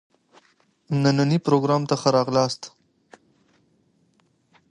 نني پروګرام ته ښه راغلاست.